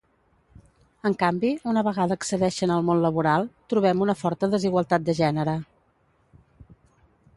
En canvi, una vegada accedeixen al món laboral, trobem una forta desigualtat de gènere.